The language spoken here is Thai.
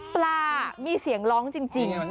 ปลามีเสียงร้องจริง